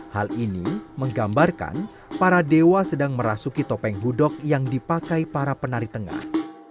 hal ini menggambarkan para dewa sedang merasuki topeng hudok yang dipakai para penari tengah